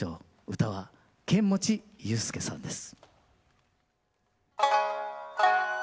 唄は剣持雄介さんです。